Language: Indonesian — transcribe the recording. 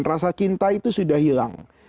rasa cinta itu sudah hilang